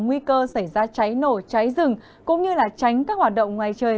nguy cơ xảy ra cháy nổ cháy rừng cũng như là tránh các hoạt động ngoài trời